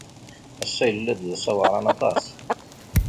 Ass-a yella-d d ass aweɛṛan aṭas.